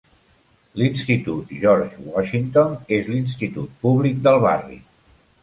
L'Institut George Washington és l'institut públic del barri.